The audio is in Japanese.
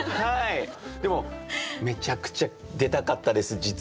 でもめちゃくちゃ出たかったです実は。